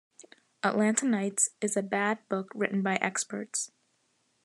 "Atlanta Nights" is a bad book written by experts.